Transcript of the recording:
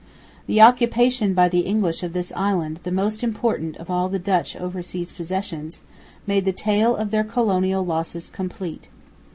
The occupation by the English of this island, the most important of all the Dutch overseas possessions, made the tale of their colonial losses complete.